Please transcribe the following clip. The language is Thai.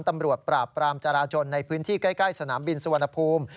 ตำรวจปราบปรามจราจนในพื้นที่ใกล้สนามบินสุวรรณภูมิ